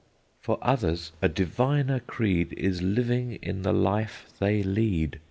"For others a diviner creed Is living in the life they lead.